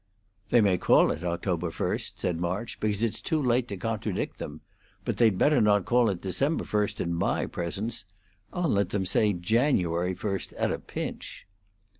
"They may call it October first," said March, "because it's too late to contradict them. But they'd better not call it December first in my presence; I'll let them say January first, at a pinch."